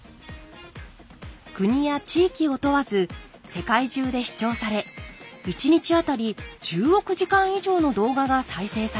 国や地域を問わず世界中で視聴され１日あたり１０億時間以上の動画が再生されています。